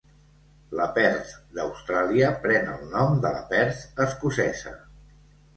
La Perth d'Austràlia pren el nom de la Perth escocesa.